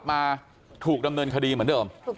แต่ว่าวินนิสัยดุเสียงดังอะไรเป็นเรื่องปกติอยู่แล้วครับ